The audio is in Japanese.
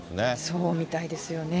そうみたいですよね。